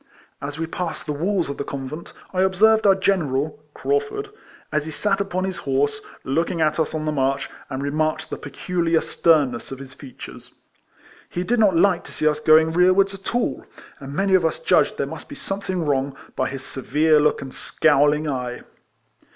As we passed the walls of the convent, I observed our General (Craufurd) as he sat upon his horse, looking at us on the march, and re marked the peculiar sternness of his features : 164 RECOLLECTIONS OF he did not like to see us going rearwards at all; and many of us judged there must be something wrong, by his severe look and scowling eye.